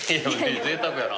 ぜいたくやな。